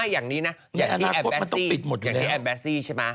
อย่างที่แอมแบสซี่